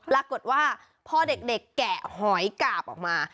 รักษ์กฎว่าพ่อเด็กแกะหอยกาบออกมา